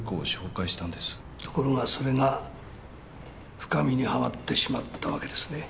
ところがそれが深みにはまってしまったわけですね？